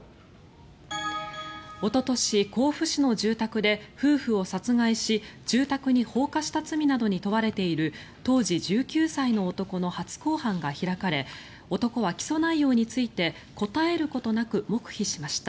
おととし、甲府市の住宅で夫婦を殺害し住宅に放火した罪などに問われている当時１９歳の男の初公判が開かれ男は起訴内容について答えることなく黙秘しました。